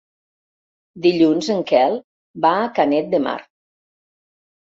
Dilluns en Quel va a Canet de Mar.